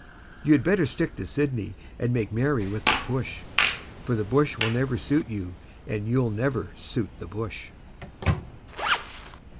You had better stick to Sydney and make merry with the 'push', For the bush will never suit you, and you'll never suit the bush.